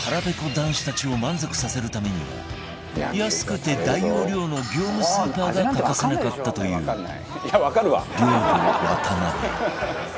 男子たちを満足させるためには安くて大容量の業務スーパーが欠かせなかったという寮母渡邊